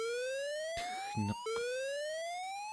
teggneq